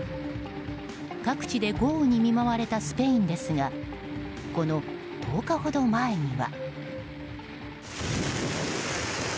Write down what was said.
各地で豪雨に見舞われたスペインですがこの１０日ほど前には。